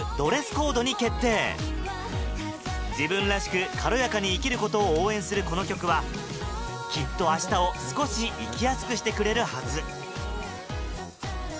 自分らしく軽やかに生きることを応援するこの曲はきっと明日を少し生きやすくしてくれるはず